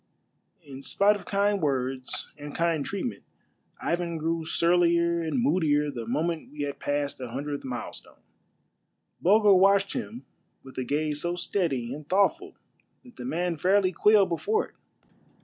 But, in spite of kind words and kind treatment, Ivan grew surlier and moodier the moment we had passed the hundredth milestone. Bulger watched him with a gaze so steady and thoughtful that the man fairly quailed before it.